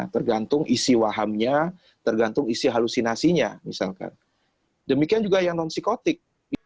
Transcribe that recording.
tergantung isi wahamnya tergantung isi halusinasinya misalkan demikian juga yang non psikotik